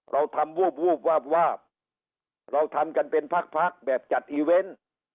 เราทำวูบวูบวาบวาบเราทำกันเป็นพักพักแบบจัดอีเวนต์